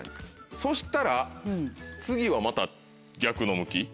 そしたら次はまた逆の向き。